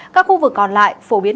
các khu vực còn lại phổ biến